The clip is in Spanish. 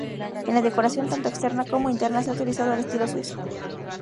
En la decoración, tanto externa como interna, se ha utilizado el estilo suizo.